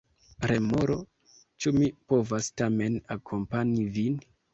Remoro: "Ĉu mi povas tamen akompani vin?"